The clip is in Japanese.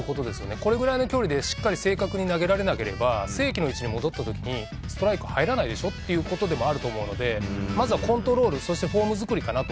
これぐらいの距離でしっかり正確に投げられなければ正規の位置に戻った時ストライク入らないでしょってことでもあると思うのでまずはコントロールそしてフォーム作りかなと。